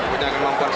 punya kenal tangsi